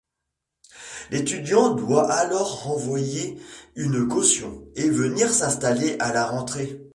L'étudiant doit alors renvoyer une caution, et venir s'installer à la rentrée.